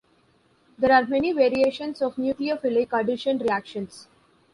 There are many variations of nucleophilic addition reactions.